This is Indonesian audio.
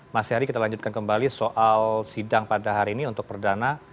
mas heri kita lanjutkan kembali soal sidang pada hari ini untuk perdana